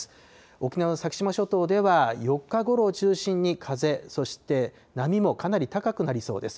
沖縄の先島諸島では４日ごろを中心に風、そして波もかなり高くなりそうです。